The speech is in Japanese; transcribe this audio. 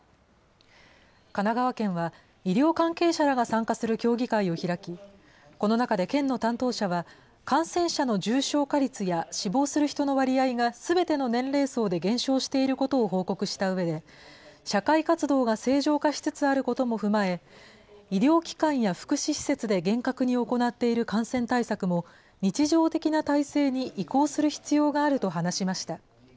神奈川県は、医療関係者らが参加する協議会を開き、この中で県の担当者は、感染者の重症化率や死亡する人の割合がすべての年齢層で減少していることを報告したうえで、社会活動が正常化しつつあることも踏まえ、医療機関や福祉施設で厳格に行っている感染対策も、日常的な体制に移行する必要があると話しました。